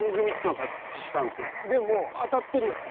でも当たってるよね？